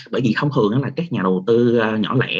bởi vì thông thường là các nhà đầu tư nhỏ lẻ